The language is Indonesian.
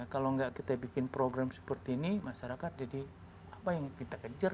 kalau nggak kita bikin program seperti ini masyarakat jadi apa yang kita kejar